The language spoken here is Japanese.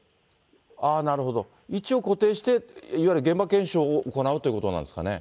なるほど、位置を固定して、いわゆる現場検証を行うということなんですかね。